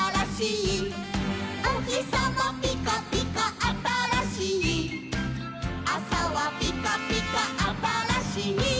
「おひさまぴかぴかあたらしい」「あさはぴかぴかあたらしい」